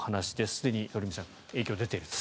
すでに鳥海さん影響が出ていると。